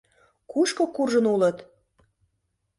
Кушко куржын улыт?..